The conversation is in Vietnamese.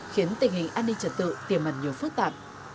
khiến tình hình an ninh trật tự tiềm mặt nhiều phức tạp